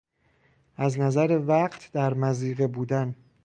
از نظر وقت در مضیقه بودن